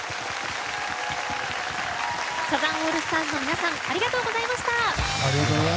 サザンオールスターズの皆さんありがとうございました。